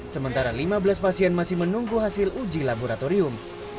sementara lima belas pasien masih menunggu hasil uji laboratorium